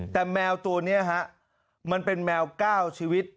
แต่แมวตัวนี้ฮะมันเป็นแมว๙ชีวิต